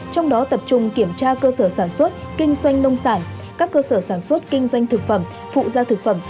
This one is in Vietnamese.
trong đó tập trung kiểm tra cơ sở sản xuất kinh doanh nông sản các cơ sở sản xuất kinh doanh thực phẩm phụ gia thực phẩm